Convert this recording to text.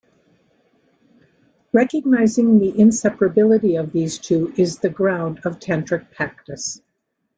Recognizing the inseparability of these two is the ground of tantric practice.